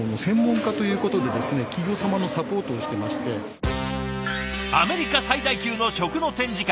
私がアメリカ最大級の食の展示会。